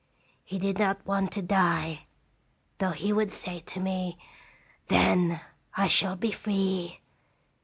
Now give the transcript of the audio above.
He did not want to die, though he would say to me, * Then I shall be free!'